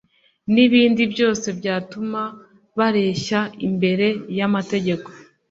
n’ibindi byose byatuma bareshya imbere y’amategeko.